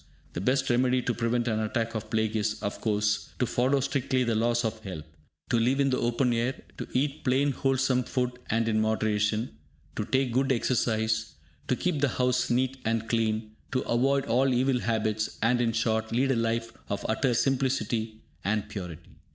The best remedy to prevent an attack of plague is, of course, to follow strictly the laws of health, to live in the open air, to eat plain wholesome food and in moderation, to take good exercise, to keep the house neat and clean, to avoid all evil habits, and, in short, lead a life of utter simplicity and purity.